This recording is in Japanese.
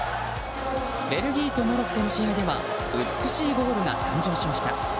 ベルギーとモロッコの試合では美しいゴールが誕生しました。